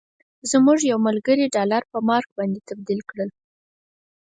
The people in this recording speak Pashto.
زموږ یو ملګري ډالر په مارک باندې تبدیل کړل.